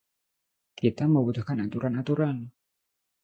Kita membutuhkan aturan-aturan.